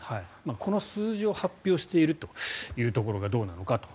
この数字を発表しているというところがどうなのかと。